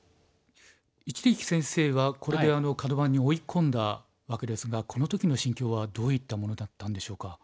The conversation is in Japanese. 一力先生はこれでカド番に追い込んだわけですがこの時の心境はどういったものだったんでしょうか？